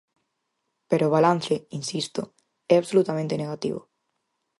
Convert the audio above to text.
Pero o balance –insisto– é absolutamente negativo.